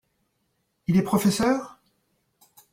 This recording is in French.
Il est professeur ?